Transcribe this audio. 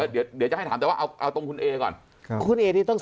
เดี๋ยวเดี๋ยวจะให้ถามแต่ว่าเอาตรงคุณเอก่อน